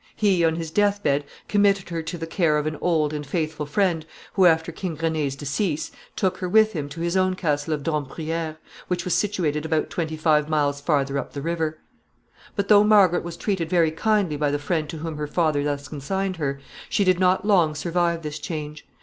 He, on his death bed, committed her to the care of an old and faithful friend, who, after King René's decease, took her with him to his own castle of Damprierre, which was situated about twenty five miles farther up the river. [Sidenote: The closing scene.] But, though Margaret was treated very kindly by the friend to whom her father thus consigned her, she did not long survive this change.